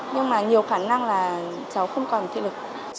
nhưng mà nhiều khả năng là cháu không còn thị lực